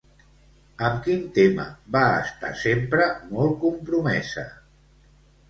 Amb quin tema va estar sempre molt compromesa?